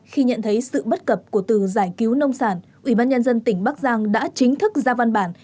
khi nhận thấy sự bất cập của từ giải cứu nông sản ủy ban nhân dân tỉnh bắc giang đã chính thức ra văn bản